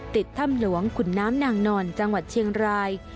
ติดถ้ำหลวงขุนน้ำนางนอนจังหวัดเชียงราย